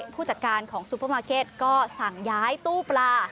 ผู้จัดการของซูเปอร์มาร์เก็ตก็สั่งย้ายตู้ปลา